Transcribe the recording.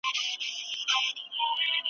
د پېښو منطق باید درک سي.